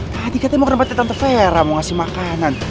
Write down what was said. hati katanya mau ke tempatnya tante vera mau ngasih makanan